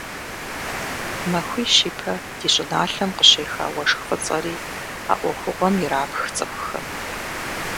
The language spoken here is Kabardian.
Махуищ ипэ ди щӀыналъэм къыщеха уэшх фӀыцӀэри а Ӏуэхугъуэм ирапх цӀыхухэм.